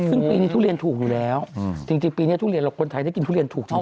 ซึ่งปีนี้ทุเรียนถูกอยู่แล้วจริงปีนี้ทุเรียนเราคนไทยได้กินทุเรียนถูกจริง